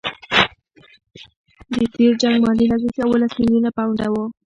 د تېر جنګ مالي لګښت اوولس میلیونه پونډه وو.